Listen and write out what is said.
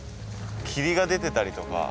霧が出てたりとか。